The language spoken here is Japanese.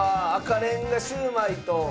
レンガシウマイと。